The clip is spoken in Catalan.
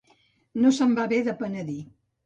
No se'n va haver de penedir.